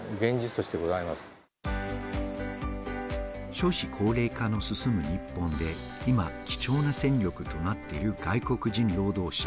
少子高齢化が進む日本で今、貴重な戦力となっている外国人労働者。